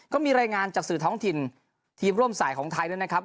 ก็มีรายงานจากสื่อท้องถิ่นทีมร่วมสายของไทยด้วยนะครับ